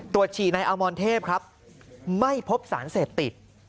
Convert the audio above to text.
ฉี่ในอมรเทพครับไม่พบสารเสพติด